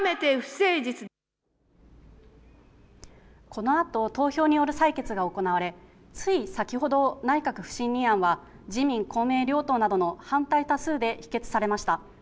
このあと、投票による採決が行われ、つい先ほど、内閣不信任案は、自民、公明両党などの反対多数で否決されました。